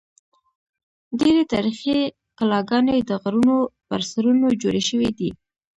ډېری تاریخي کلاګانې د غرونو پر سرونو جوړې شوې دي.